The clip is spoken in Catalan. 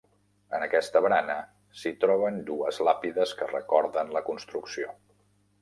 En aquesta barana s'hi troben dues làpides que recorden la construcció.